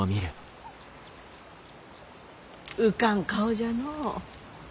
浮かん顔じゃのう。